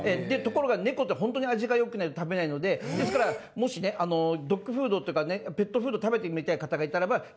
ところが猫ってほんとに味がよくないと食べないのでですからもしねドッグフードとかねペットフード食べてみたい方がいたらば。